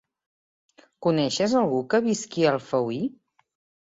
Coneixes algú que visqui a Alfauir?